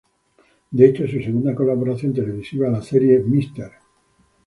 De hecho, su segunda colaboración televisiva, la serie "Mr.